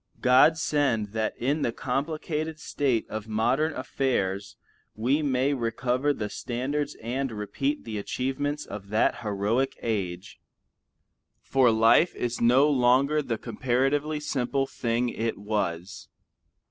God send that in the complicated state of modern affairs we may recover the standards and repeat the achievements of that heroic age! For life is no longer the comparatively simple thing it was.